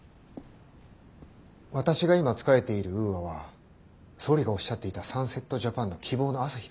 私が今仕えているウーアは総理がおっしゃっていたサンセット・ジャパンの希望の朝日です。